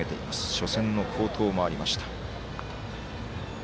初戦の好投もありました。